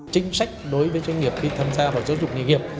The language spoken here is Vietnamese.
chính sách đối với doanh nghiệp khi tham gia vào giáo dục nghề nghiệp